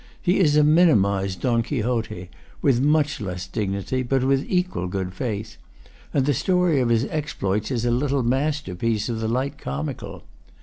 He is a minimized Don Quixote, with much less dignity, but with equal good faith; and the story of his exploits is a little masterpiece of the light comical.